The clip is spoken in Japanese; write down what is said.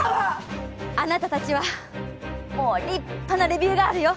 あなたたちはもう立派なレビューガールよ。